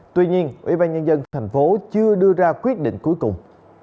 tuy nhiên ubnd tp hcm chưa đưa ra quyết định cuối cùng